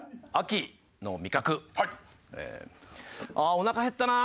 おなか減ったな！